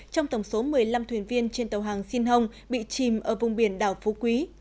trong tổng số một mươi năm thuyền viên trên tàu hàng xin hồng bị chìm ở vùng biển đảo phú quý